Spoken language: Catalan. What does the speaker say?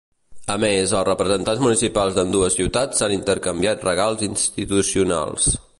A més, els representants municipals d’ambdues ciutats s’han intercanviat regals institucionals.